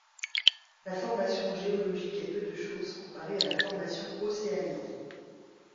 La formation géologique est peu de chose, comparée à la formation océanique.